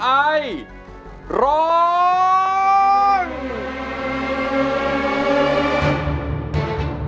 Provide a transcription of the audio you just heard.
เป็นเพลง